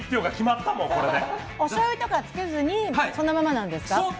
おしょうゆとか付けずにそのままなんですか？